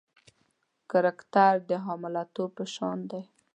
کرکټر د حامله توب په شان دی.